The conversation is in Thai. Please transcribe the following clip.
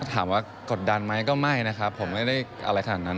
ถามว่ากดดันไหมก็ไม่นะครับผมไม่ได้อะไรขนาดนั้น